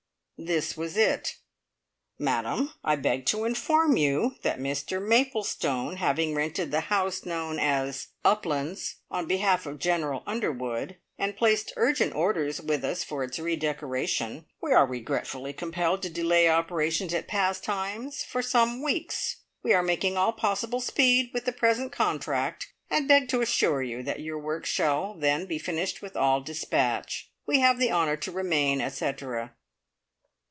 This was it: "Madam, I beg to inform you that Mr Maplestone having rented the house known as `Uplands,' on behalf of General Underwood, and placed urgent orders with us for its re decoration, we are regretfully compelled to delay operations at Pastimes for some weeks. We are making all possible speed with the present contract, and beg to assure you that your work shall then be finished with all despatch. "We have the honour to remain, etcetera."